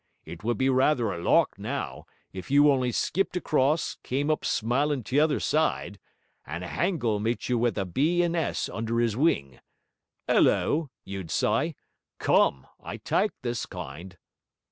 It would be rather a lark, now, if you only skipped across, came up smilin' t'other side, and a hangel met you with a B. and S. under his wing. 'Ullo, you'd s'y: come, I tyke this kind.'